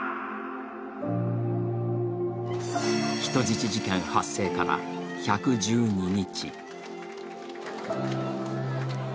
人質事件発生から１１２日。